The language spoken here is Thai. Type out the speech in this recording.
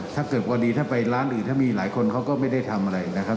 พอดีถ้าไปร้านอื่นถ้ามีหลายคนเขาก็ไม่ได้ทำอะไรนะครับ